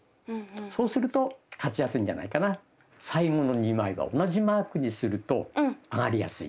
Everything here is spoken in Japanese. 最後の２枚は同じマークにすると上がりやすい。